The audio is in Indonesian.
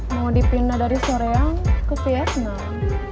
mau dipindah dari korea ke vietnam